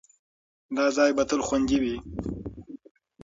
دا ځای به تل خوندي وي.